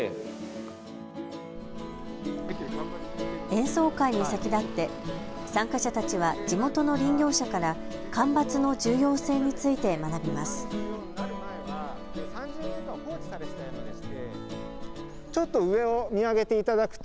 演奏会に先立って、参加者たちは地元の林業者から、間伐の重要性について学びます。